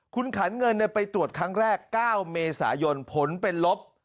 คุณขันเงินไปตรวจครั้งแรก๙เมษายนผลเป็นลบ